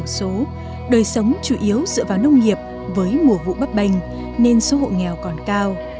người sống chủ yếu dựa vào nông nghiệp với mùa vụ bắp bành nên số hộ nghèo còn cao